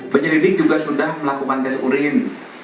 penyelidik juga sudah melakukan tes urin